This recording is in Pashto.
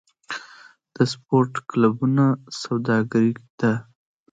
د سپورت کلبونه سوداګري ده؟